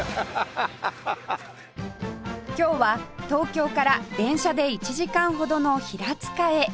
今日は東京から電車で１時間ほどの平塚へ